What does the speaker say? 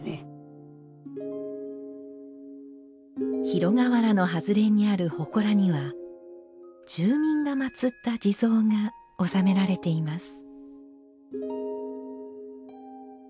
広河原のはずれにあるほこらには住民がまつった地蔵が納められています。